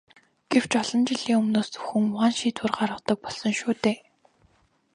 Гэвч олон жилийн өмнөөс зөвхөн ван шийдвэр гаргадаг болсон шүү дээ.